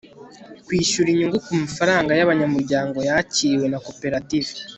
kwishyura inyungu ku mafaranga y'abanyamuryango yakiriwe na koperative